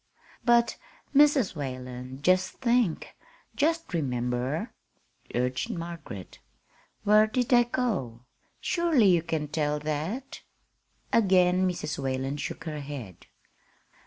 "But, Mrs. Whalen, just think just remember," urged Margaret. "Where did they go? Surely you can tell that." Again Mrs. Whalen shook her head.